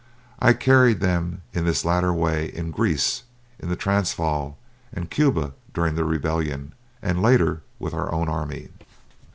I carried them in this latter way in Greece, in the Transvaal, and Cuba during the rebellion, and later with our own army.